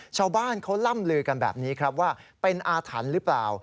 ชาวบ้านเขาล่ำลือกันแบบนี้ครับว่าเป็นอาถรรพ์หรือเปล่า